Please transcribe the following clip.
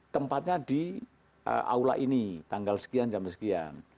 tempatnya di aula ini tanggal sekian jam sekian